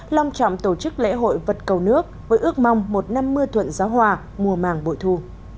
long trọng tổ chức lễ hội vật cầu nước với ước mong một năm mưa thuận gió hòa mùa màng bội thu